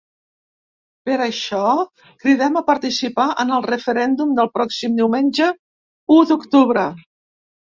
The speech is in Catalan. Per això cridem a participar en el referèndum del pròxim diumenge u d’octubre.